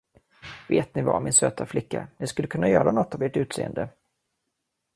Vet ni vad, min söta flicka, ni skulle kunna göra något av ert utseende.